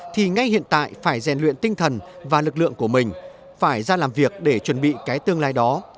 thì ngay hiện tại phải rèn luyện tinh thần và lực lượng của mình phải ra làm việc để chuẩn bị cái tương lai đó